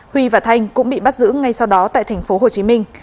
huy và thanh cũng bị bắt giữ ngay sau đó tại tp hcm